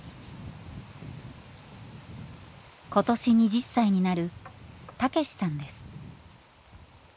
今年２０歳になるたけしさんです。